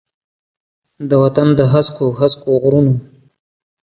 د وطن د هسکو، هسکو غرونو،